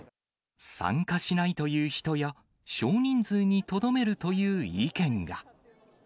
参加しないという人や、少人数にとどめるという意見が。